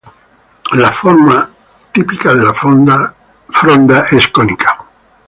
La forma típica de la fronda es cónica.